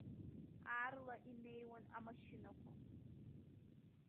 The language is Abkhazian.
Аарла инеиуан амашьынақәа.